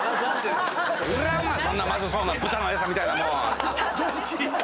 「そんなまずそうな豚の餌みたいなもん！」